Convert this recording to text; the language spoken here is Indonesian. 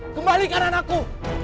kembali kanan aku